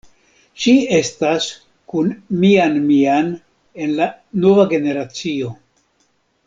Ŝi estas kun Mian Mian en la "Nova generacio".